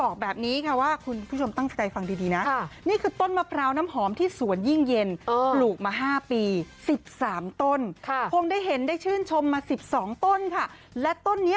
คุณผู้ชมคุณผู้ชมคุณผู้ชมคุณผู้ชมคุณผู้ชมคุณผู้ชมคุณผู้ชมคุณผู้ชม